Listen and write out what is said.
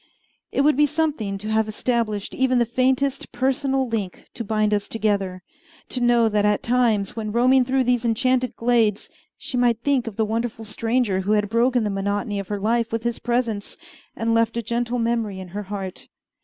It would be something to have established even the faintest personal link to bind us together to know that at times, when roaming through these enchanted glades, she might think of the wonderful stranger who had broken the monotony of her life with his presence and left a gentle memory in her heart!